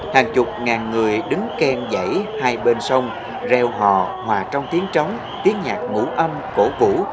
hàng chục ngàn người đứng keng dãy hai bên sông reo hò hòa trong tiếng trống tiếng nhạc ngũ âm cổ vũ